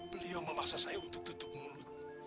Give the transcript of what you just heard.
beliau memaksa saya untuk tutup mulut